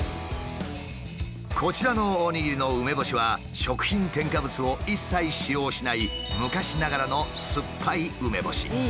こちらのおにぎりの梅干しは食品添加物を一切使用しない昔ながらのすっぱい梅干し。